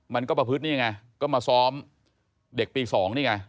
มันก็ประพฤตินี่ไงก็มาซ้อมเด็กปี๒นี่ไง